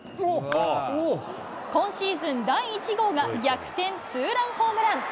今シーズン第１号が逆転ツーランホームラン。